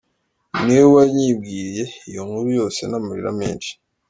niwe wanyibwiriye iyo nkuru yose n’ amarira menshi.